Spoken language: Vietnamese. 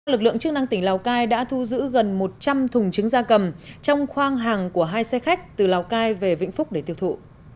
lực lượng chức năng tỉnh lào cai đã thu giữ gần một trăm linh thùng trứng da cầm trong khoang hàng của hai xe khách từ lào cai về vĩnh phúc để tiêu thụ